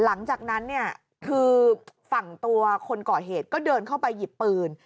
หลังจากนั้นเนี่ยคือฝั่งตัวคนก่อเหตุก็เดินเข้าไปหยิบปืน